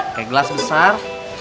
pakai gelas besar